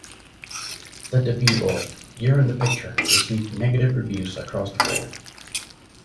The debut of "You're in the Picture" received negative reviews across the board.